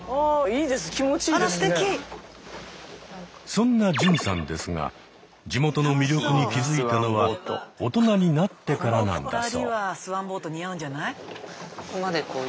そんな純さんですが地元の魅力に気付いたのは大人になってからなんだそう。